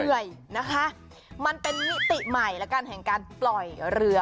เหนื่อยนะคะมันเป็นมิติใหม่แล้วกันแห่งการปล่อยเรือ